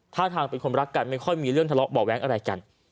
ท่าทางเป็นคนรักกันไม่ค่อยมีเรื่องทะเลาะเบาะแว้งอะไรกัน